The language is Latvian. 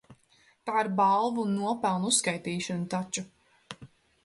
Tā ir balvu un nopelnu uzskaitīšana taču.